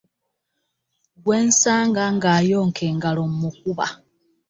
Gwensanga ng'ayonka engalo mukuba.